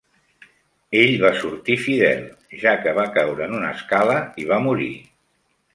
Ell va sortir fidel, ja que va caure en una escala i va morir.